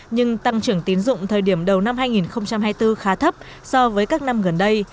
nhưng tăng trưởng tín dụng thời điểm đầu năm hai nghìn hai mươi bốn khá thấp so với các năm gần đây